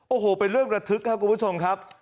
โอ้โหเป็นเรื่องระทึกครับคุณผู้ชมครับ